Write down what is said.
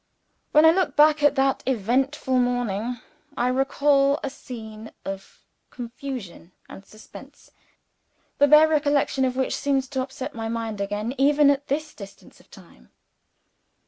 When I look back at that eventful morning, I recall a scene of confusion and suspense, the bare recollection of which seems to upset my mind again, even at this distance of time.